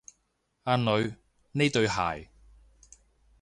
阿女，呢對鞋